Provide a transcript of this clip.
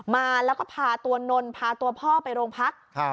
มาแล้วก็พาตัวนนพาตัวพ่อไปโรงพัก